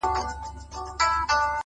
• چي هر څومره یې خوړلای سوای د ده وه -